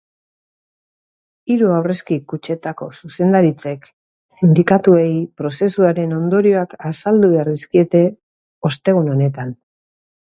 Hiru aurrezki-kutxetako zuzendaritzek sindikatuei prozesuaren ondorioak azaldu behar dizkiete sindikatuei ostegun honetan.